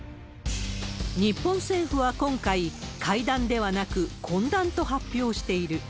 日本政府は今回、会談ではなく懇談と発表している。